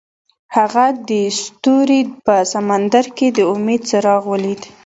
هغه د ستوري په سمندر کې د امید څراغ ولید.